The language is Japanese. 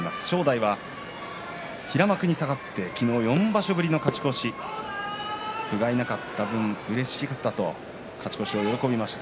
正代は平幕に下がって昨日、４場所ぶりの勝ち越しふがいなかった分うれしかったと勝ち越しを喜びました。